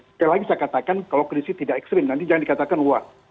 sekali lagi saya katakan kalau krisis tidak ekstrim nanti jangan dikatakan luas